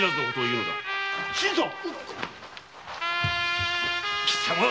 新さん！